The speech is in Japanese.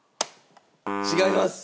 違います。